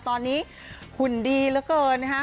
ตอนนี้หุ่นดีเหลือเกินนะคะ